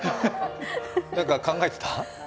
何か考えてた？